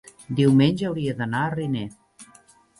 diumenge hauria d'anar a Riner.